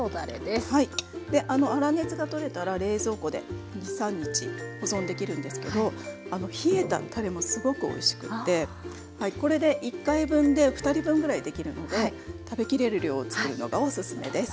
粗熱が取れたら冷蔵庫で２３日保存できるんですけど冷えたたれもすごくおいしくって１回分で２人分ぐらい出来るので食べきれる量を作るのがおすすめです。